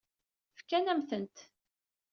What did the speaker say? Fkan-am-tent.